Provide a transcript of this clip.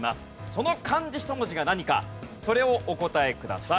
その漢字１文字が何かそれをお答えください。